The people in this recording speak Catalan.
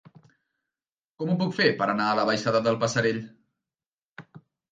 Com ho puc fer per anar a la baixada del Passerell?